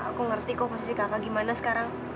aku mengerti posisi kamu sekarang